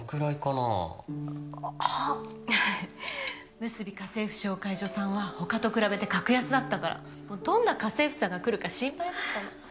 むすび家政婦紹介所さんは他と比べて格安だったからもうどんな家政婦さんが来るか心配だったの。